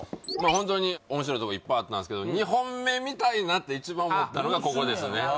ホントに面白いとこいっぱいあったんですけど２本目見たいなって一番思ったのがここですね